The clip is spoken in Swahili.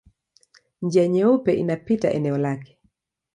Njia Nyeupe inapita eneo lake.